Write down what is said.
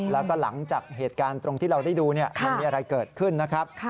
แล้วก็หลังจากเหตุการณ์ตรงที่เราได้ดูมันมีอะไรเกิดขึ้นนะครับ